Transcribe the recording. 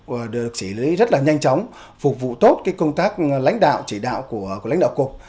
văn bản thông tin tài liệu được xử lý rất là nhanh chóng phục vụ tốt công tác lãnh đạo chỉ đạo của lãnh đạo cục